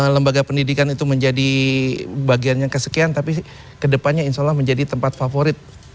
lembaga pendidikan itu menjadi bagian yang kesekian tapi kedepannya insya allah menjadi tempat favorit